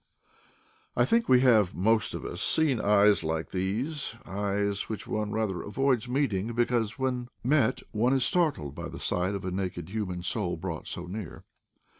I think we have, most of us, seen eyes like these — eyes which one rather avoids meeting, because when met one is startled by the sight of a naked human soul brought so near.